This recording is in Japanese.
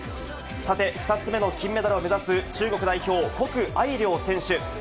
さて２つ目の金メダルを目指す中国代表、谷愛凌選手。